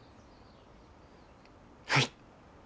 はい。